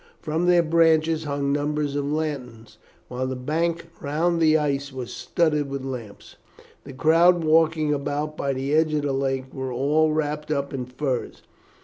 From their branches hung numbers of lanterns, while the bank round the ice was studded with lamps. The crowds walking about by the edge of the lake were all wrapped up in furs.